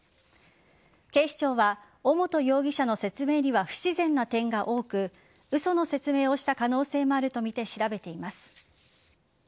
警視庁は尾本容疑者の説明には不自然な点が多く嘘の説明をした可能性もあるとみて調べています。